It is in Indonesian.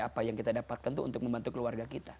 apa yang kita dapatkan itu untuk membantu keluarga kita